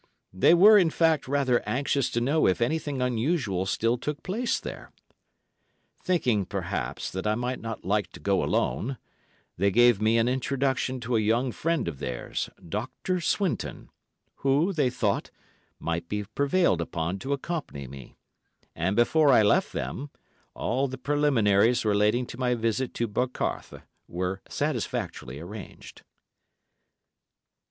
They were, in fact, rather anxious to know if anything unusual still took place there. Thinking, perhaps, that I might not like to go alone, they gave me an introduction to a young friend of theirs, Dr. Swinton, who, they thought, might be prevailed upon to accompany me; and, before I left them, all the preliminaries relating to my visit to "Bocarthe" were satisfactorily arranged.